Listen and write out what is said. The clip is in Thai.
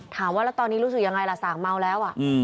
ถามว่าแล้วตอนนี้รู้สึกยังไงล่ะสางเมาแล้ว